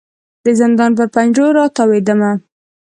د زندان پر پنجرو را تاویدمه